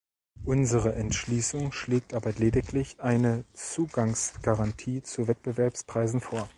Unsere Entschließung schlägt aber lediglich eine Zugangsgarantie zu Wettbewerbspreisen vor.